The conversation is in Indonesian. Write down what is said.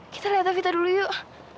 kita lihat davita dulu yuk